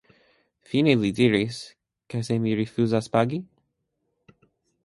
Fine li diris: Kaj se mi rifuzas pagi?